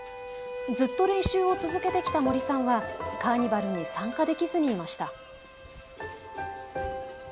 ずっと練習を続けてきた森さんはカーニバルに参加できずにいました。